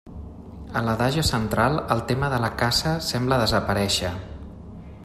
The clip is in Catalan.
A l'Adagio central, el tema de la caça sembla desaparèixer.